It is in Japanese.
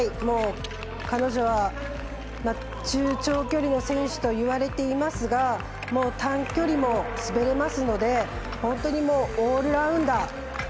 彼女は、中長距離の選手といわれていますが短距離も滑れますので本当にオールラウンダー。